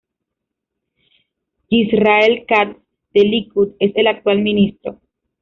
Yisrael Katz, del Likud, es el actual ministro.